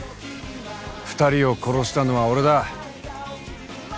２人を殺したのは俺だ。